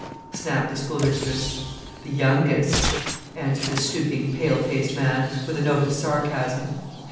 snapped the schoolmistress. "The youngest," answered the stooping, pale faced man, with a note of sarcasm.